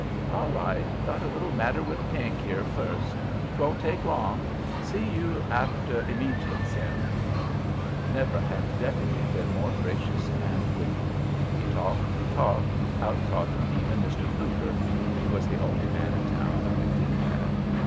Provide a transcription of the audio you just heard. "All right. Got a little matter with Pink here first. 'Twon't take long. See you arfter amejiant, Sim." Never had the deputy been more gracious and witty. He talked and talked, outtalking even Mr. Fluker; he was the only man in town who could do that.